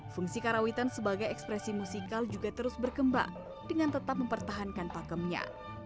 fungsi karawitan sebagai ekspresi musikal juga terus berkembang dengan tetap mempertahankan pakemnya